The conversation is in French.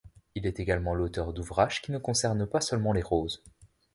Il est également l'auteur d'ouvrages qui ne concernent pas seulement les roses.